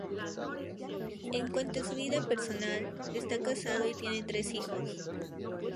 En cuanto a su vida personal, está casado y tiene tres hijos.